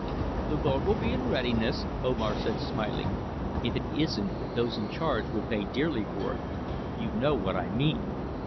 "The boat will be in readiness," Omar said smiling. "If it isn't, those in charge will pay dearly for it. You know what I mean."